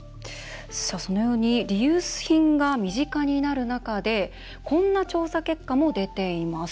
そのようにリユース品が身近になる中でこんな調査結果も出ています。